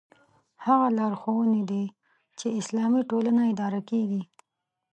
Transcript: هغه لارښوونې دي چې اسلامي ټولنه اداره کېږي.